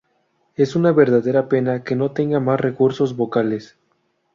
Es una verdadera pena que no tenga más recursos vocales".